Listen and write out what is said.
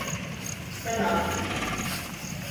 Sen haklısın.